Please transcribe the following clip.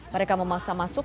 mereka memaksa masuk